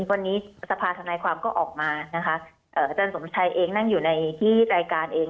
วันนี้สภาธนายความก็ออกมานะคะอาจารย์สมชัยเองนั่งอยู่ในที่รายการเอง